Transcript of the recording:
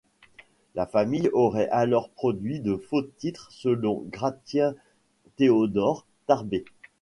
La famille aurait alors produit de faux titres selon Gratien-Théodore Tarbé.